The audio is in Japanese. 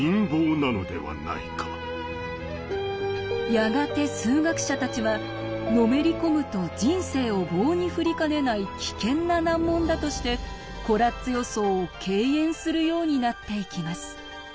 やがて数学者たちはのめり込むと人生を棒に振りかねない危険な難問だとしてコラッツ予想を敬遠するようになっていきます。